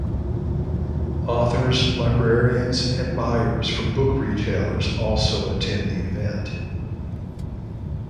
Authors, librarians, and buyers for book retailers also attend the event.